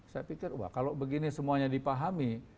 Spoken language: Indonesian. saya pikir wah kalau begini semuanya dipahami